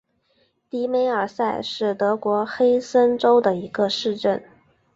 迪梅尔塞是德国黑森州的一个市镇。